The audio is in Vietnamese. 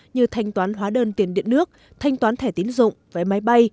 như thanh toán hóa đơn tiền điện nước thanh toán thẻ tiến dụng vé máy bay